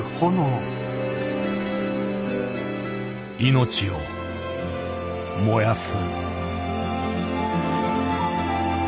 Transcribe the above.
命を燃やす。